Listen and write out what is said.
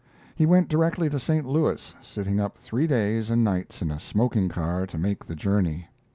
He went directly to St. Louis, sitting up three days and nights in a smoking car to make the journey.